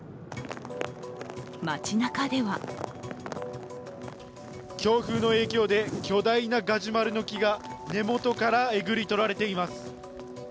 街なかでは強風の影響で巨大なガジュマルの木が根元から、えぐり取られています。